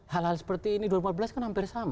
hal hal seperti ini dua ribu empat belas kan hampir sama